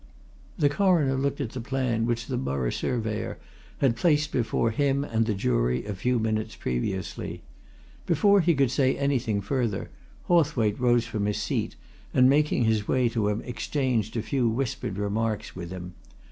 The Coroner looked at the plan which the Borough Surveyor had placed before him and the jury a few minutes previously. Before he could say anything further, Hawthwaite rose from his seat and making his way to him exchanged a few whispered remarks with him.